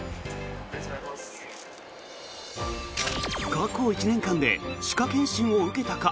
過去１年間で歯科検診を受けたか。